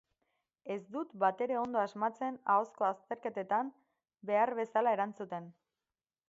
Ez dut batere ondo asmatzen ahozko azterketetan behar bezala erantzuten.